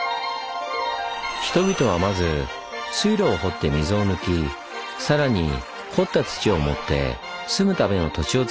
人々はまず水路を掘って水を抜きさらに掘った土を盛って住むための土地をつくりました。